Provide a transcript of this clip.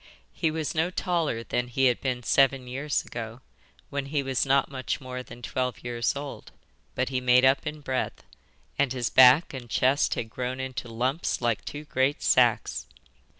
He was no taller than he had been seven years ago, when he was not much more than twelve years old, but he made up in breadth, and his back and chest had grown into lumps like two great sacks.